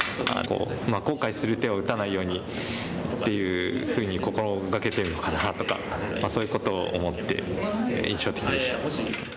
後悔する手は打たないようにっていうふうに心掛けてるのかなとかそういうことを思って印象的でした。